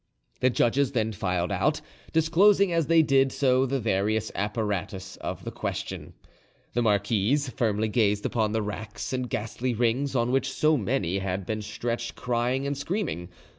The judges then filed out, disclosing as they did so the various apparatus of the question. The marquise firmly gazed upon the racks and ghastly rings, on which so many had been stretched crying and screaming.